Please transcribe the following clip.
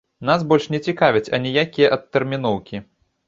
Нас больш не цікавяць аніякія адтэрміноўкі!